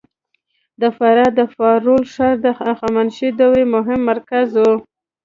د فراه د فارول ښار د هخامنشي دورې مهم مرکز و